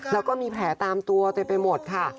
แล้วก็มีแผลตามตัวเต็มไปหมดค่ะ